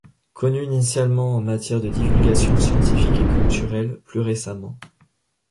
Connu initialement en matière de divulgation scientifique et culturelle, plus récemment.